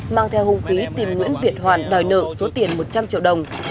mang theo hung khí tìm nguyễn việt hoàn đòi nợ số tiền một trăm linh triệu đồng